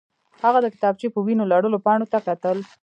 هغه د کتابچې په وینو لړلو پاڼو ته کتل